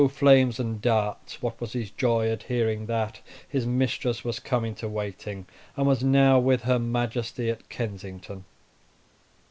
flames and darts! what was his joy at hearing that his mistress was come into waiting, and was now with her Majesty at Kensington!